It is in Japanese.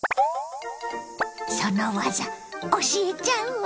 その技教えちゃうわ！